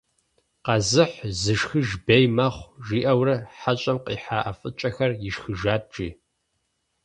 «Къэзыхь зышхыж бей мэхъу» жиӏэурэ, хьэщӏэм къихьа ӏэфӏыкӏэхэр ишхыжат, жи.